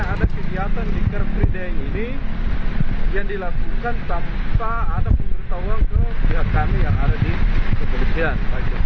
ada kegiatan di kerfrideng ini yang dilakukan tanpa ada pemberitahuan ke pihak kami yang ada di kepolisian